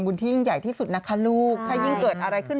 ที่ยิ่งใหญ่ที่สุดนะคะลูกถ้ายิ่งเกิดอะไรขึ้น